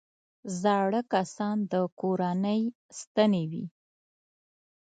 زاړه کسان د کورنۍ ستنې وي